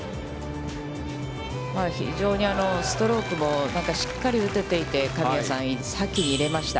非常にストロークも、なんかしっかり打てていて、神谷さん、先に入れました。